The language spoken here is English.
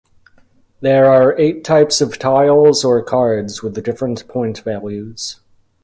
There are eight types of tiles or cards with different point values.